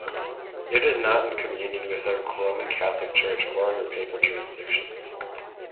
It is not in communion with the Roman Catholic Church or under papal jurisdiction.